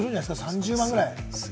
３０万ぐらい？